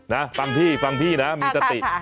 นะฟังพี่ฟังพี่นะมีสติ